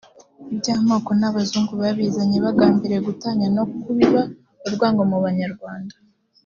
iby'amako ni abazungu babizanye bagambiriye gutanya no kubiba urwango mu banyarwanda”